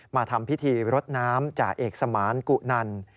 มาทำพิธีรดน้ำจ่าเอกสมานกุนัน